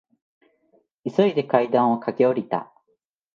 急いで階段を駆け下りた。